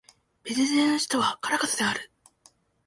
ベネズエラの首都はカラカスである